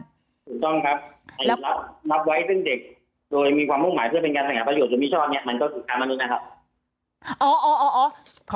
ถูกต้องครับรับไว้ซึ่งเด็กโดยมีความมุ่งหมายเพื่อเป็นการแสดงประโยชนมิชอบเนี่ยมันก็ถูกค้ามนุษย์นะครับ